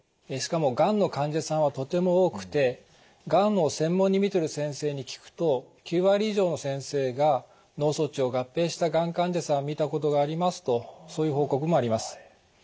しかもがんの患者さんはとても多くてがんを専門に診てる先生に聞くと９割以上の先生が脳卒中を合併したがん患者さんを診たことがありますとそういう報告もあります。